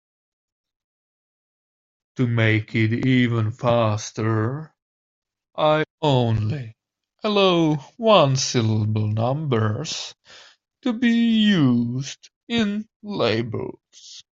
To make it even faster, I only allow one-syllable numbers to be used in labels.